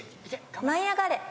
『舞いあがれ！』